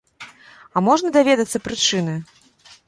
А можна даведацца прычыны?